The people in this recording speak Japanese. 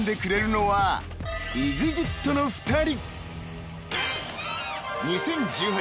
［ＥＸＩＴの２人］